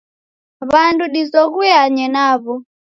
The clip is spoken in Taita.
W'andu dizoghuanye naw'o.